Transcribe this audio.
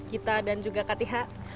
kita dan juga kak tiha